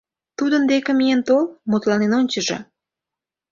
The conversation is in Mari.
— Тудын деке миен тол, мутланен ончыжо.